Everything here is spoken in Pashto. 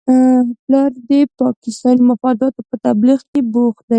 پلار دې د پاکستاني مفاداتو په تبلیغ کې بوخت دی؟